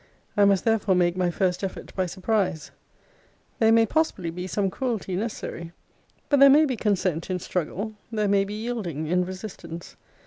I must therefore make my first effort by surprise. There may possibly be some cruelty necessary: but there may be consent in struggle; there may be yielding in resistance.